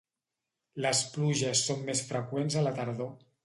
Les pluges són més freqüents a la tardor.